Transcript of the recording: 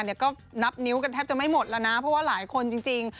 ก็นับนิ้วกันแทบจะไม่หมดแล้วนะเพราะว่าหลายคนจริง